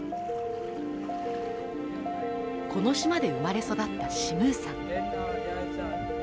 この島で生まれ育ったシムーさん。